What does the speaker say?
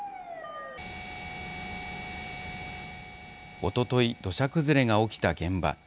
おととい土砂崩れが起きた現場。